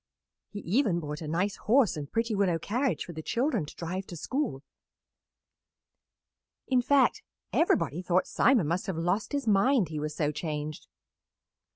He even bought a nice horse and pretty willow carriage for the children to drive to school; in fact, everybody thought Simon must have lost his mind, he was so changed.